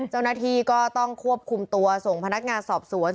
เจ้าหน้าที่ก็ต้องควบคุมตัวส่งพนักงานสอบสวน